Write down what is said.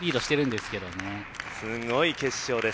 すごい決勝です。